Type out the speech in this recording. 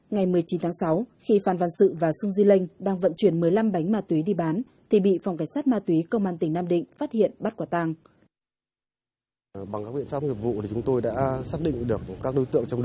ngày một mươi chín tháng sáu khi phan văn sự và sùng di linh đang vận chuyển một mươi năm bánh ma túy đi bán thì bị phòng cảnh sát ma túy công an tỉnh nam định phát hiện bắt quả tàng